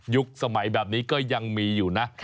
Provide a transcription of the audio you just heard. สมัยแบบนี้ก็ยังมีอยู่นะ